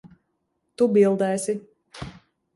Tu bildēsi.